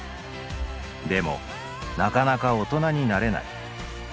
でもなかなか大人になれない。